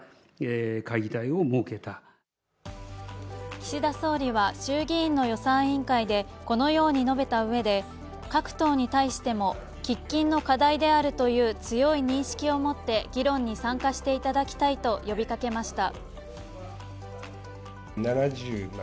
岸田総理は衆議院の予算委員会でこのように述べたうえで各党に対しても喫緊の課題であるという強い認識を持って議論に参加していただきたいと呼びかけました。